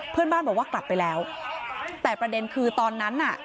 เพื่อนบ้านบอกว่ากลับไปแล้วแต่ประเด็นคือตอนนั้นน่ะ